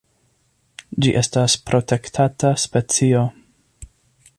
Ĝi estas protektata specio.